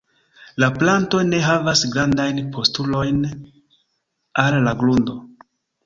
La planto ne havas grandajn postulojn al la grundo.